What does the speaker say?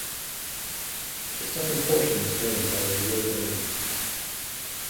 The southern portion is drained by the Rio Grande.